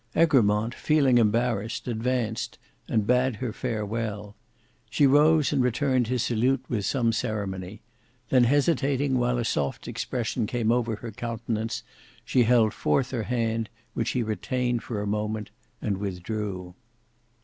Egremont feeling embarrassed advanced, and bade her farewell. She rose and returned his salute with some ceremony; then hesitating while a soft expression came over her countenance, she held forth her hand, which he retained for a moment, and withdrew.